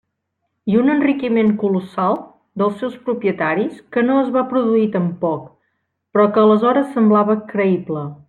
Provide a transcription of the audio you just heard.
I un enriquiment colossal dels seus propietaris que no es va produir tampoc però que aleshores semblava creïble.